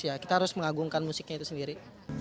ya kita harus mengagungkan musiknya itu sendiri